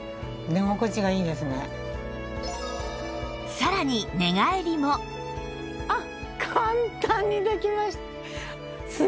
さらに寝返りもあっ！